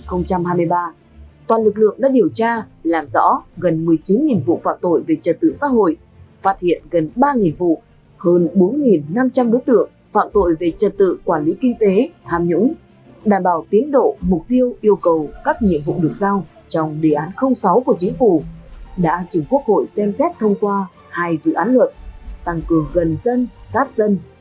các lượng đã điều tra làm rõ gần một mươi chín vụ phạm tội về trật tự xã hội phát hiện gần ba vụ hơn bốn năm trăm linh đối tượng phạm tội về trật tự quản lý kinh tế hàm nhũng đảm bảo tiến độ mục tiêu yêu cầu các nhiệm vụ được giao trong đề án sáu của chính phủ đã chủng quốc hội xem xét thông qua hai dự án luật tăng cường gần dân sát dân